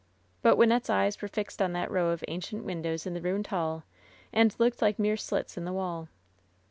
But Wynnette^s eyes were fixed on that row of ancient windows in the ruined hall and looked like mere slits in the wall.